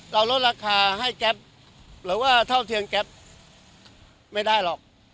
ลดราคาให้แก๊ปหรือว่าเท่าเทียมแก๊ปไม่ได้หรอก